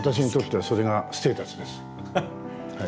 はい。